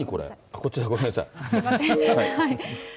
こっちだごめんなさい。